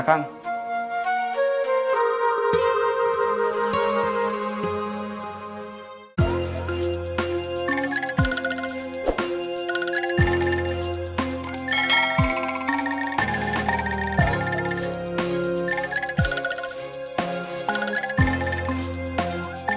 kamu bawa ke dokter